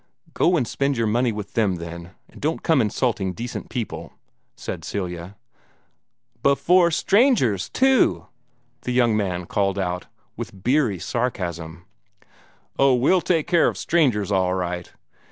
"Go and spend your money with them, then, and don't come insulting decent people," said Celia. "Before strangers, too!" the young man called out, with beery sarcasm. "Oh, we'll take care of the strangers all right."